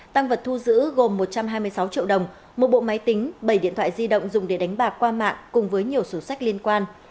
tăng vật thu giữ gồm một trăm hai mươi sáu triệu đồng một bộ máy tính bảy điện thoại di động dùng để đánh bạc qua mạng cùng với nhiều sổ sách liên quan